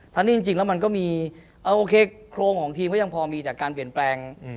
ทั้งที่จริงแล้วมันก็มีโอเคโครงของทีมก็ยังพอมีจากการเปลี่ยนแปลง